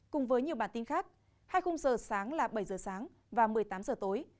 cùng với nhiều bản tin khác hai khung giờ sáng là bảy giờ sáng và một mươi tám giờ tối